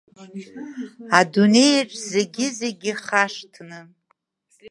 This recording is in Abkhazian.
Адунеиаҿ зегьы-зегь ихашҭны…